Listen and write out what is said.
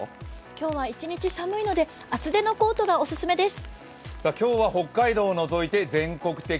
今日は一日寒いので厚手のコートがおすすめです。